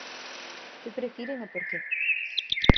Que prefiren e por que?